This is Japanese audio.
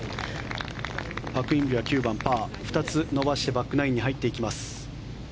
パク・インビは９番、パー２つ伸ばしてバックナインに入っていきます。